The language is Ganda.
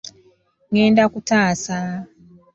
Ngenda ku taasa!